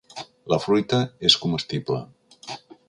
La fruita és comestible.